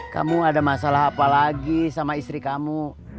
kamu ada masalah apa lagi sama istri kamu